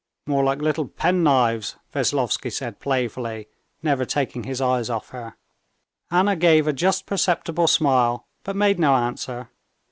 "More like little penknives," Veslovsky said playfully, never taking his eyes off her. Anna gave a just perceptible smile, but made no answer.